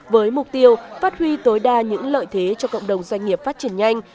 với mục tiêu phát huy tối đa những lợi thế cho cộng đồng doanh nghiệp phát triển nhanh